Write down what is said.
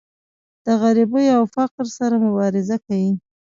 د غریبۍ او فقر سره مبارزه کوي.